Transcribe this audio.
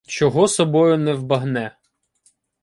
Чого собою не вбагне.